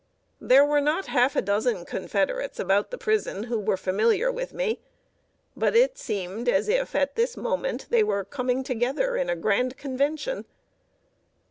There were not half a dozen Confederates about the prison who were familiar with me; but it seemed as if at this moment they were coming together in a grand convention.